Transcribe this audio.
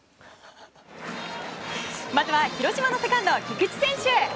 まずは広島のセカンド菊池選手。